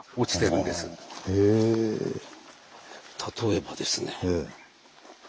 例えばですね